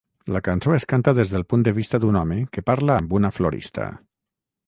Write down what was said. La cançó es canta des del punt de vista d'un home que parla amb una florista.